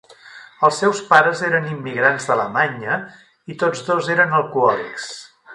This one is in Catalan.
Els seus pares eren immigrants d'Alemanya i tots dos eren alcohòlics.